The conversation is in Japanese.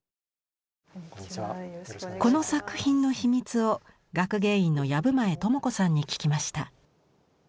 この作品の秘密を学芸員の藪前知子さんに聞きました。